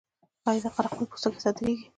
آیا د قره قل پوستکي صادریږي؟